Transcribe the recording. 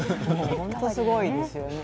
本当すごいですよね。